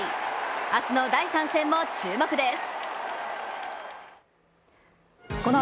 明日の第３戦も注目です。